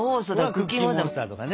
クッキーモンスターとかね。